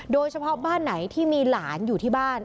โดยเฉพาะบ้านไหนที่มีหลานอยู่ที่บ้าน